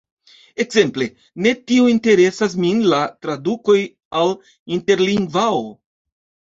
Ekzemple, ne tiom interesas min la tradukoj al Interlingvao.